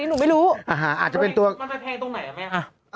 หนูไม่รู้อ่าหาอาจจะเป็นตัวมันเป็นต้นไหนแล้วไหมฮะ